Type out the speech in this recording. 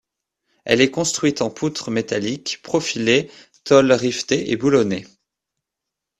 Elle est construite en poutres métalliques, profilés, tôles rivetés et boulonnés.